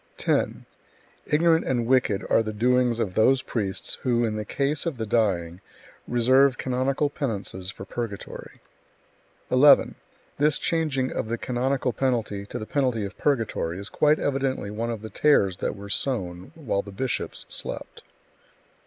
10. Ignorant and wicked are the doings of those priests who, in the case of the dying, reserve canonical penances for purgatory. 11. This changing of the canonical penalty to the penalty of purgatory is quite evidently one of the tares that were sown while the bishops slept.